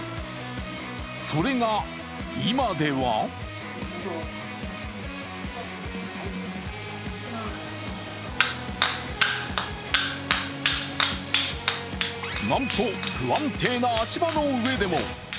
それが今ではなんと、不安定な足場の上でも。